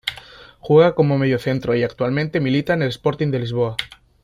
Juega como mediocentro y actualmente milita en el Sporting de Lisboa.